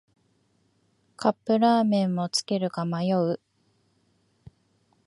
カップラーメンもつけるか迷う